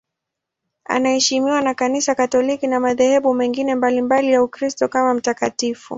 Anaheshimiwa na Kanisa Katoliki na madhehebu mengine mbalimbali ya Ukristo kama mtakatifu.